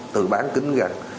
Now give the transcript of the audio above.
từ bán kính gần